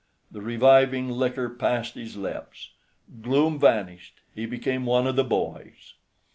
The reviving liquor passed his lips. Gloom vanished. He became one of the boys.